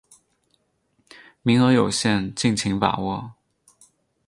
名额有限，敬请把握